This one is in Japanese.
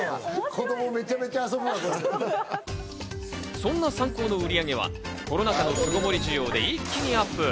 そんなサンコーの売り上げはコロナ禍の巣ごもり需要で一気にアップ。